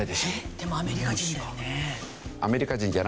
でもアメリカ人だよね？